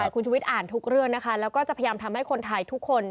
คุณชุวิตอ่านทุกเรื่องนะคะแล้วก็จะพยายามทำให้คนไทยทุกคน